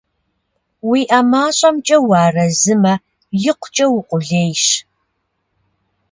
УиӀэ мащӀэмкӀэ уарэзымэ, икъукӀэ укъулейщ.